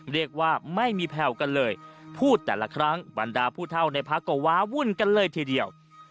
เรียกว่าไม่มีแผ่วกันเลยพูดแต่ละครั้งบรรดาผู้เท่าในพักก็ว้าวุ่นกันเลยทีเดียว